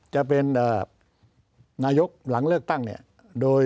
จะเป็นนายกหลังเลือกตั้งเนี่ยโดย